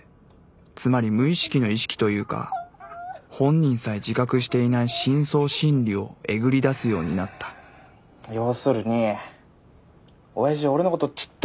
つまり無意識の意識というか本人さえ自覚していない深層心理をえぐり出すようになった要するにおやじは俺のことちっとも理解してくれないんだよな。